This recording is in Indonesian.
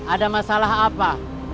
ada masalah apa